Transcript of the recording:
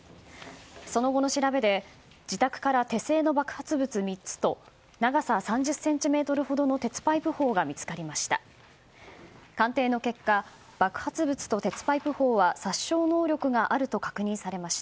その後の調べで自宅から手製の爆発物３つと長さ３０ｃｍほどの鉄パイプ砲が見つかりました。